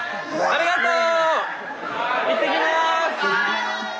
ありがとう！